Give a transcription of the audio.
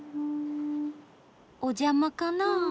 お邪魔かな？